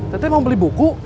tete mau beli buku